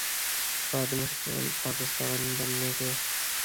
خادم پاکستان بننے کے۔